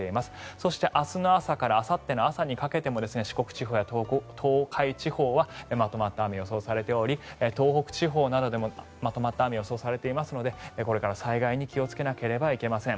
そして、明日の朝からあさっての朝にかけても四国地方や東海地方はまとまった雨が予想されており東北地方などでもまとまった雨が予想されていますのでこれから災害に気をつけなければいけません。